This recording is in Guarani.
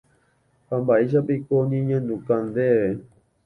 Ha mba'éichapiko oñeñanduka ndéve.